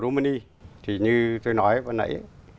kumani thì như tôi nói vừa nãy